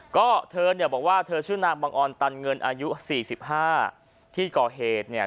ก็เธอเนี่ยบอกว่าเธอชื่อนางบังออนตันเงินอายุ๔๕ที่ก่อเหตุเนี่ย